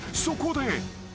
そこで］